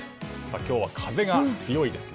今日は風が強いですね。